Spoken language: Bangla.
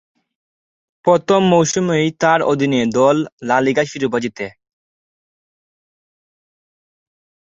প্রথম মৌসুমেই তার অধীনে দল লা লিগা শিরোপা জিতে।